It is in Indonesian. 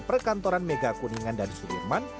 perkantoran mega kuningan dan sudirman